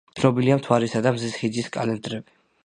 ცნობილია მთვარისა და მზის ჰიჯრის კალენდრები.